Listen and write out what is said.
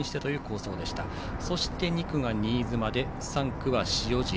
そして、２区が新妻で３区、塩尻。